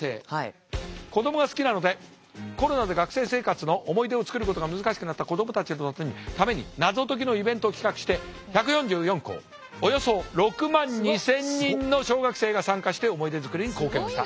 子どもが好きなのでコロナで学生生活の思い出を作ることが難しくなった子どもたちのために謎解きのイベントを企画して１４４校およそ６万２，０００人の小学生が参加して思い出作りに貢献した。